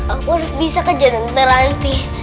aku harus bisa kejar nanti